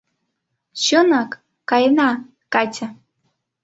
— Чынак, каена, Катя!